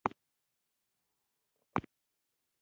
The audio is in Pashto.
افغانستان کې د تالابونو په اړه زده کړه کېږي.